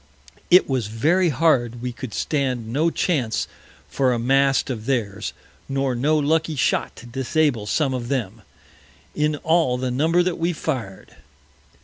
It was very hard we could stand no Chance for a Mast of theirs, nor no lucky Shot to disable some of them, in all the Number that we fir'd.